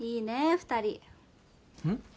２人うん？